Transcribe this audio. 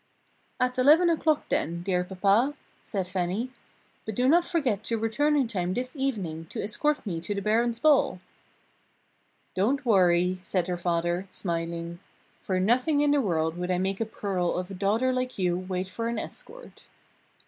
"At eleven o'clock, then, dear Papa," said Fannie, "but do not forget to return in time this evening to escort me to the Baron's ball!" "Don't worry!" said her father, smiling, "for nothing in the world would I make a pearl of a daughter like you wait for an escort!"